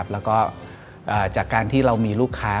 แล้วก็จากการที่เรามีลูกค้า